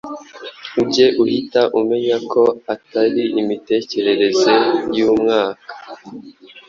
ujye uhita umenya ko atari imitekerereze y’Umwuka.